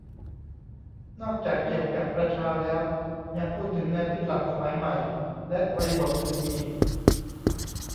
นอกจากเกี่ยวกับประชาแล้ว ยังพูดถึงแนวคิดหลังสมัยใหม่ และบริบทอื่นอีก